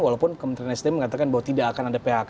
walaupun kementerian sdm mengatakan bahwa tidak akan ada phk